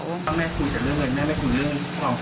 มั่งแม่คุยแต่เรื่องเงินแม่ไม่คุยเรื่อง